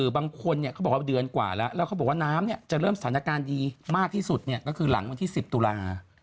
บางคนเขาบอกว่าเดือนกว่าแล้วแล้วเขาบอกว่าน้ำจะเริ่มสถานการณ์ดีมากที่สุดก็คือหลังวันที่๑๐ตุลา